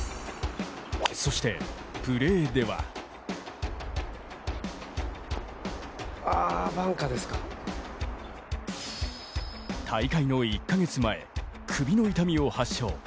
そしてプレーでは大会の１か月前、首の痛みを発症。